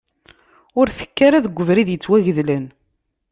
Ur tekk ara deg ubrid yettwagedlen.